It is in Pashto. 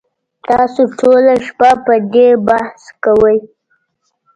تاسو ټوله شپه په دې بحث کاوه